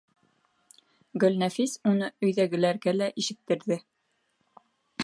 Гөлнәфис уны өйҙәгеләргә лә ишеттерҙе.